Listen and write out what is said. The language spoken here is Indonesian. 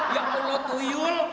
ya allah tuyul